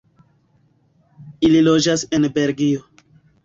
Ili loĝas en Belgio.